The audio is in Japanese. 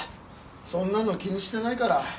そんなの気にしてないから。